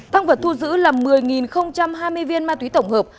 thăng vật thu giữ là một mươi hai mươi viên ma túy tổng hợp